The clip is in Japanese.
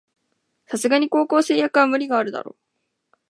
さすがに高校生役は無理あるだろ